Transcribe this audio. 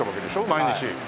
毎日。